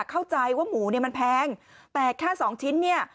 เข้าใจว่าหมูเนี่ยมันแพงแต่แค่สองชิ้นเนี่ย